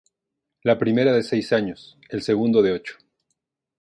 La primera de seis años, el segundo de ocho.